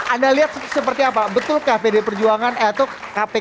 anda lihat seperti apa betulkah pdi perjuangan atau kpk perjuangan itu